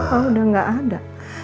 mama udah gak ada